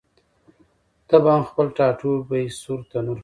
ته به هم خپل ټاټوبی سور تنور کړې؟